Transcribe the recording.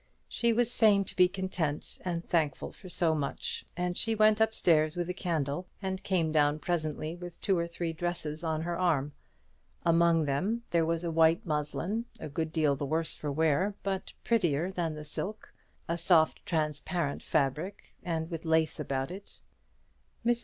She was fain to be content and thankful for so much; and she went up stairs with a candle, and came down presently with two or three dresses on her arm. Among them there was a white muslin, a good deal the worse for wear, but prettier than the silk; a soft transparent fabric, and with lace about it. Mrs.